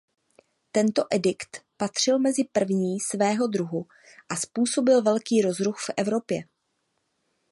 Tento edikt patřil mezi první svého druhu a způsobil velký rozruch v Evropě.